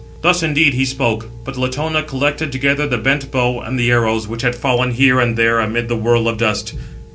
Thus indeed he spoke; but Latona collected together the bent bow and the arrows 689 which had fallen here and there amid the whirl of dust.